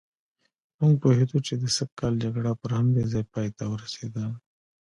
موږ پوهېدو چې د سږ کال جګړه پر همدې ځای پایته ورسېده.